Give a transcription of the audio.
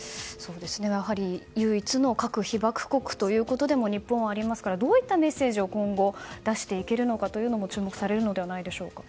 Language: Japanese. やはり唯一の核被爆国ということでも日本はありますからどういったメッセージを今後、出していけるのかも注目されるのではないでしょうか。